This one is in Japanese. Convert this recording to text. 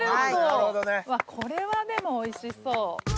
これはでもおいしそう。